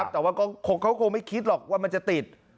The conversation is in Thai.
แต่ว่าเขาคงไม่คิดหรอกว่ามันจะติด